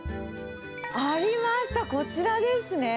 ありました、こちらですね。